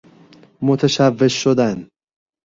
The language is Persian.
متشوش شدن